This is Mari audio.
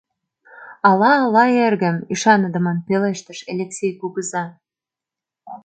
— Ала-ала, эргым, — ӱшаныдымын пелештыш Элексей кугыза.